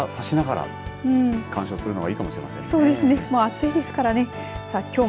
日傘差しながら鑑賞するのがいいかもしれませんね。